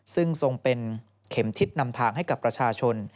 ซึ่งทรงเป็นเข็มทิศนำทางให้กับประชาชน